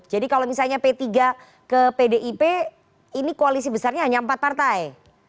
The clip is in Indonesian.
jadi kalau misalnya p tiga ke pdip ini koalisi besarnya hanya empat partai